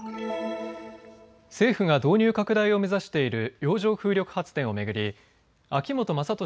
政府が導入拡大を目指している洋上風力発電を巡り秋本真利